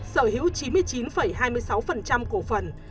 sở hữu chín mươi chín hai mươi sáu cổ phần